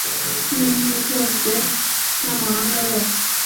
n’indimi zose n’amahanga yose.